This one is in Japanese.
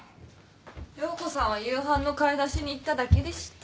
涼子さんは夕飯の買い出しに行っただけでした。